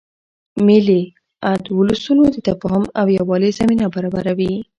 مېلې اد ولسونو د تفاهم او یووالي زمینه برابروي.